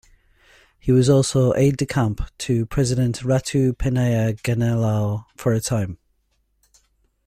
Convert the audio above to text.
He was also aide-de-camp to President Ratu Penaia Ganilau for a time.